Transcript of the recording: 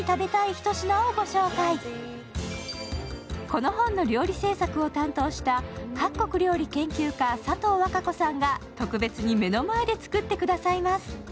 この本の料理制作を担当した各国料理研究家佐藤わか子さんが特別に目の前で作ってくださいます。